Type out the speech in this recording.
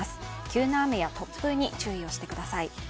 急な雨や突風に注意をしてください。